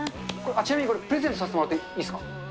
ちなみにこれ、プレゼントさせてもらっていいですか？